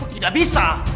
kau tidak bisa